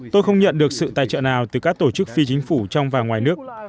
tôi không nhận được sự tài trợ nào từ các tổ chức phi chính phủ trong và ngoài nước